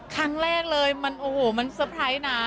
ครั้งแรกเลยมันโอ้โหมันสับสรรค์นะ